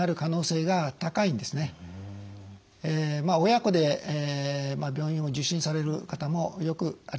親子で病院を受診される方もよくあります。